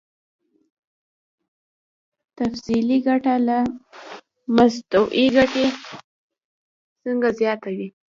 تفضيلي ګټه له متوسطې ګټې څخه زیاته وي